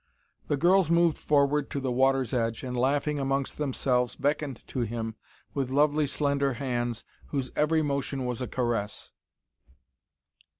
The girls moved forward to the water's edge, and, laughing amongst themselves, beckoned to him with lovely slender hands whose every motion was a caress.